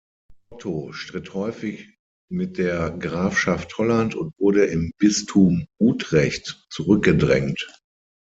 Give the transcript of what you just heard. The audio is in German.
Otto stritt häufig mit der Grafschaft Holland, und wurde im Bistum Utrecht zurückgedrängt.